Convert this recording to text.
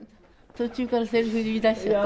途中からセリフ言いだしちゃって。